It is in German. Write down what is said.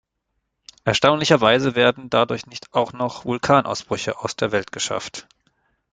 Erstaunlicherweise werden dadurch nicht auch noch Vulkanausbrüche aus der Welt geschafft!